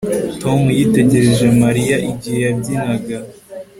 Tom yitegereje Mariya igihe yabyinaga